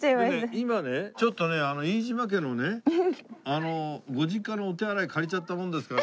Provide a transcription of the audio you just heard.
今ねちょっと飯島家のねご実家のお手洗い借りちゃったもんですからね。